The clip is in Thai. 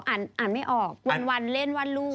อ่านไม่ออกวันเล่นวันลูก